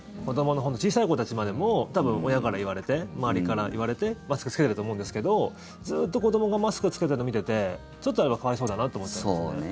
小さい子たちまでも多分、親から言われて周りから言われてマスク着けてたと思うんですけどずっと子どもがマスク着けているのを見ててちょっと可哀想だなって思っちゃいますね。